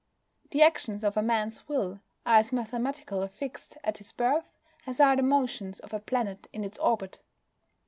The actions of a man's will are as mathematically fixed at his birth as are the motions of a planet in its orbit.